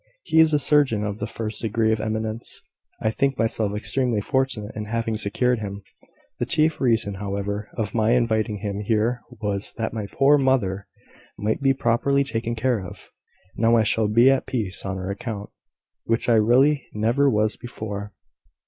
He is a surgeon of the first degree of eminence. I think myself extremely fortunate in having secured him. The chief reason, however, of my inviting him here was, that my poor mother might be properly taken care of. Now I shall be at peace on her account, which I really never was before.